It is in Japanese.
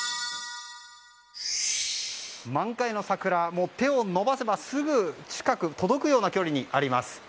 満開の桜が手を伸ばせばすぐ近く届くような距離にあります。